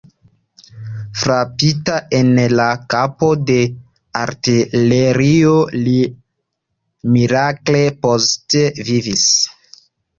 Frapita en la kapo de artilerio, li mirakle postvivis.